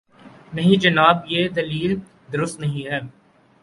نہیں جناب، یہ دلیل درست نہیں ہے۔